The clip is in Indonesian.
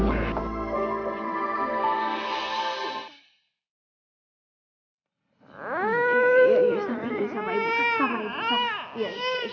aku orang nanda